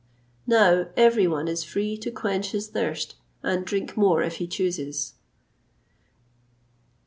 [XXVIII 171] Now every one is free to quench his thirst, and drink more if he chooses.